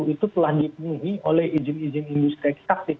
itu telah dipenuhi oleh izin izin industri ekstraktif